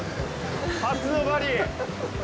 初のバリ。